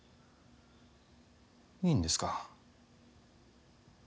いいんですか？